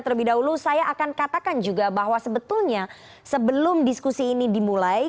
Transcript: terlebih dahulu saya akan katakan juga bahwa sebetulnya sebelum diskusi ini dimulai